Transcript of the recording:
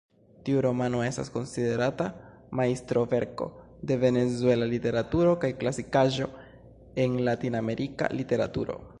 Tiu romano estas konsiderata majstroverko de venezuela literaturo kaj klasikaĵo en Latin-Amerika literaturo.